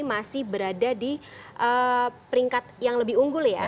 masih berada di peringkat yang lebih unggul ya